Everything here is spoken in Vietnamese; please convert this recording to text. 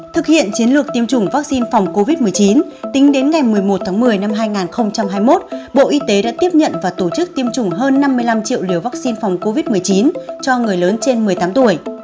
thực hiện chiến lược tiêm chủng vaccine phòng covid một mươi chín tính đến ngày một mươi một tháng một mươi năm hai nghìn hai mươi một bộ y tế đã tiếp nhận và tổ chức tiêm chủng hơn năm mươi năm triệu liều vaccine phòng covid một mươi chín cho người lớn trên một mươi tám tuổi